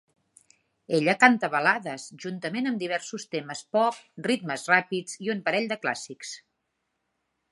Ella canta balades juntament amb diversos temes pop ritmes ràpids i un parell de clàssics.